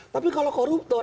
tapi kalau koruptor